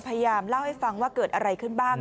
พยายามเล่าให้ฟังว่าเกิดอะไรขึ้นบ้าง